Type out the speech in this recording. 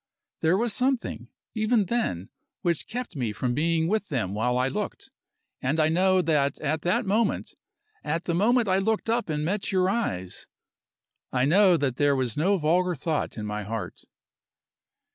There was something, even then, which kept me from being with them while I looked, and I know that at that moment, at the moment I looked up and met your eyes, I know that there was no vulgar thought in my heart."